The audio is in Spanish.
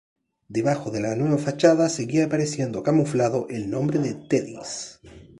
Debajo de la nueva fachada seguía apareciendo camuflado el nombre de Teddy’s.